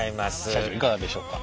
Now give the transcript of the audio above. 社長いかがでしょうか？